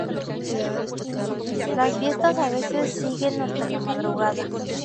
Las fiestas a veces siguen hasta la madrugada.